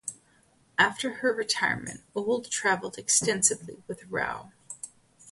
After her retirement Auld travelled extensively with Rowe.